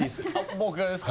僕がですか？